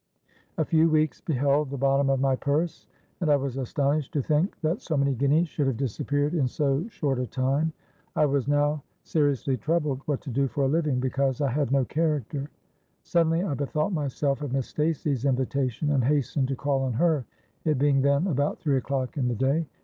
A few weeks beheld the bottom of my purse—and I was astonished to think that so many guineas should have disappeared in so short a time. I was now seriously troubled what to do for a living; because I had no character. Suddenly I bethought myself of Miss Stacey's invitation, and hastened to call on her, it being then about three o'clock in the day.